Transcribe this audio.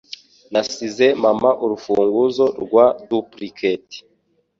Nasize mama urufunguzo rwa duplicate.